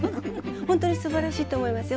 本当にすばらしいと思いますよ。